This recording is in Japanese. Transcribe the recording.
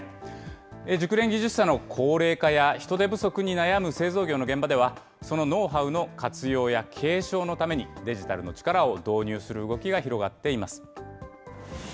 熟練技術者の高齢化や、人手不足に悩む製造業の現場では、そのノウハウの活用や継承のために、デジタルの力を導入する動きが広がっています。